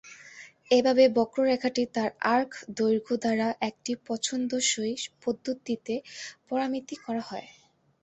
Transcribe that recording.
এভাবে বক্ররেখাটি তার আর্ক দৈর্ঘ্য দ্বারা একটি পছন্দসই পদ্ধতিতে পরামিতি করা হয়।